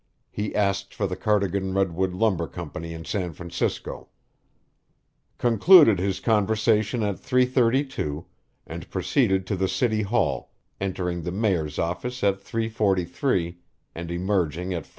He asked for the Cardigan Redwood Lumber Company in San Francisco. Concluded his conversation at 3:32 and proceeded to the city hall, entering the Mayor's office at 3:43 and emerging at 4:10.